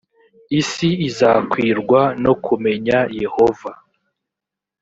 isi izakwirwa no kumenya yehova